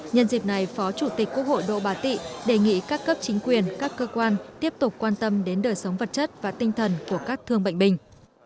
nhân dịp này phó chủ tịch quốc hội độ bà tị đề nghị các cấp chính quyền các cơ quan tiếp tục quan tâm đến đời sống vật chất và tinh thần của các thương bệnh binh